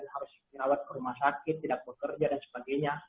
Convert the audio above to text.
harus dirawat ke rumah sakit tidak bekerja dan sebagainya